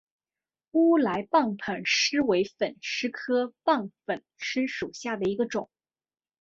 乌来棒粉虱为粉虱科棒粉虱属下的一个种。